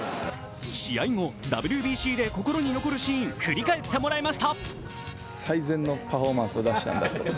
試合後、ＷＢＣで心に残るシーン、振り返ってもらいました。